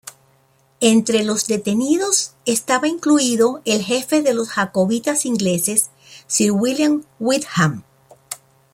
Entre los detenidos estaba incluido el jefe de los Jacobitas ingleses, Sir William Wyndham.